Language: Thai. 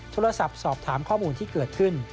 โทรศัพท์สอบถามข้อมูลที่เกิดขึ้น